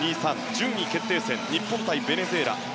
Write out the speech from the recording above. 順位決定戦、日本対ベネズエラ。